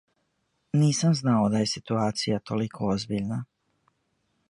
Нисам знао да је ситуација толико озбиљна.